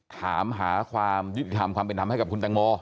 ถามความเป็นธรรมให้กับคุณแต่งโม